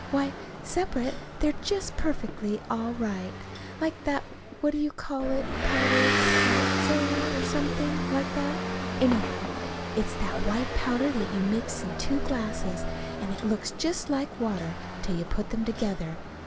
Why, separate they're just perfectly all right, like that that what do you call it powder? sedlitzer, or something like that. Anyhow, it's that white powder that you mix in two glasses, and that looks just like water till you put them together.